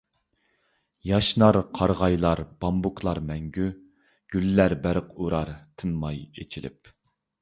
ياشنار قارىغاي، بامبۇكلار مەڭگۈ، گۈللەر بەرق ئۇرار تىنماي ئېچىلىپ.